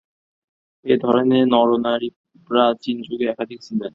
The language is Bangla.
এ-ধরনের নরনারী প্রাচীনযুগে একাধিক ছিলেন।